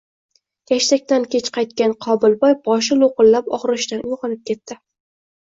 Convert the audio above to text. Gashtakdan kech qaytgan Qobilboy boshi lo`qillab og`rishidan uyg`onib ketdi